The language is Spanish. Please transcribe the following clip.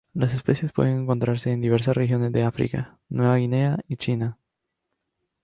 Las especies pueden encontrarse en diversas regiones de África, Nueva Guinea y China.